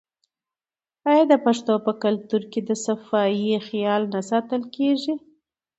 آیا د پښتنو په کلتور کې د صفايي خیال نه ساتل کیږي؟